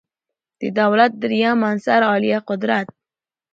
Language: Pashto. د دولت دریم عنصر عالیه قدرت